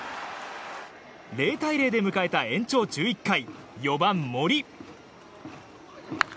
０対０で迎えた延長１１回４番、森！